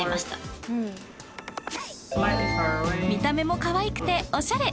［見た目もかわいくておしゃれ！］